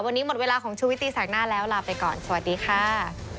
วันนี้หมดเวลาของชุวิตตีแสกหน้าแล้วลาไปก่อนสวัสดีค่ะ